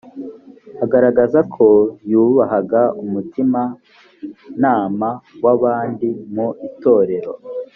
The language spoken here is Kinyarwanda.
agaragaza ko yubahaga umutimanama w abandi mu itorero